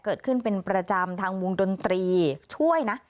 เกิดขึ้นเป็นประจำทางวงดนตรีช่วยนะ